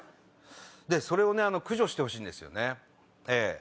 それを駆除してほしいんですよね。